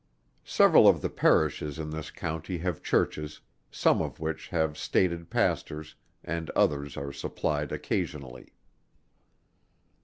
Several of the Parishes in this county have Churches, some of which have stated Pastors, and others are supplied occasionally.